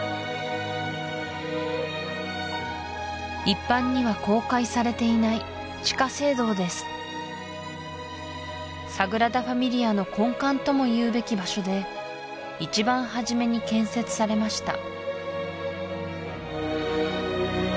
一般には公開されていない地下聖堂ですサグラダ・ファミリアの根幹ともいうべき場所で一番初めに建設されました